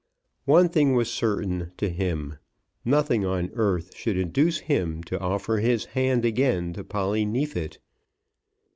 One thing was certain to him; nothing on earth should induce him to offer his hand again to Polly Neefit.